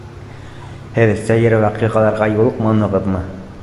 Һеҙ сәйер ваҡиғаларға юлыҡманығыҙмы?